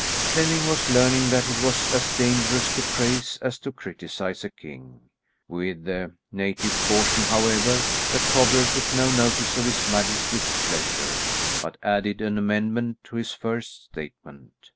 Flemming was learning that it was as dangerous to praise, as to criticise a king. With native caution however, the cobbler took no notice of his majesty's displeasure, but added an amendment to his first statement.